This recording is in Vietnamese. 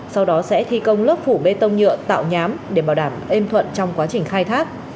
sau đó sẽ thi công lớp phủ bê tông nhựa tạo nhám để bảo đảm êm thuận trong quá trình khai thác